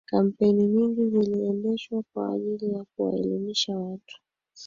kampeini nyingi ziliendeshwa kwa ajiri ya kuwaelimisha watu